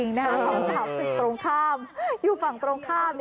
สองสามตึกตรงข้ามอยู่ฝั่งตรงข้าม